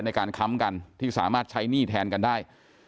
ค้ำกันที่สามารถใช้หนี้แทนกันได้